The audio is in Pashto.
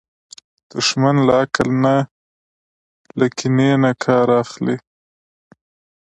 دښمن له عقل نه، له کینې نه کار اخلي